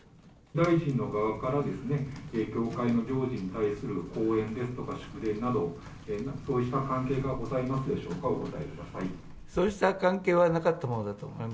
大臣の側から、教会の行事に対する後援ですとか祝電など、そうした関係がございますでしょうか、お答えください。